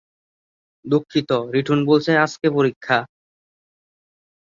রাজ্যটি দিল্লি বিভাগের কমিশনারের রাজনৈতিক নিয়ন্ত্রণে ছিল।